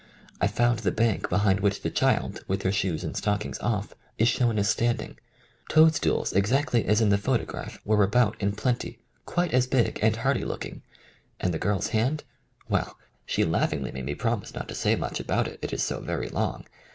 I found the bank behind which the child, with her shoes and stockings off, is shown as standing ; toad stools exactly as in the photograph were about in plenty, quite as big and hearty looking. And the girl's hand ? Well, she laughingly made me promise not to say much about it, it is so very long